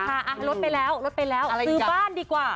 รถไปแล้วรถไปแล้วซื้อบ้านดีกว่า